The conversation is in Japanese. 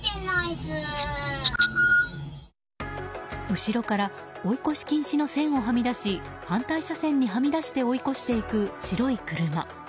後ろから追い越し禁止の線をはみ出し反対車線にはみ出して追い越していく白い車。